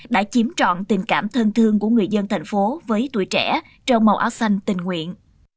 đã chiếm trọn tình cảm thân thương của người dân thành phố với tuổi trẻ trong màu áo xanh tình nguyện